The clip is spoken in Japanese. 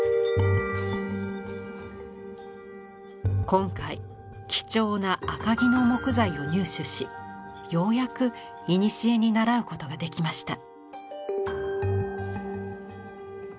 今回貴重な赤木の木材を入手しようやくいにしえにならうことができました。